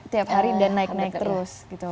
tiap hari dan naik naik terus gitu